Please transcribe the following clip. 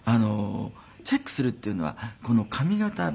チェックするっていうのはこの髪形美容家なので。